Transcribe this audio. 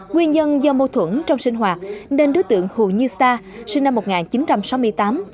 nguyên nhân do mâu thuẫn trong sinh hoạt nên đối tượng hồ như sa sinh năm một nghìn chín trăm sáu mươi tám